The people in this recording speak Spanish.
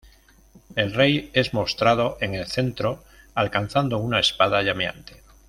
El rey es mostrado en el centro alzando una espada llameante.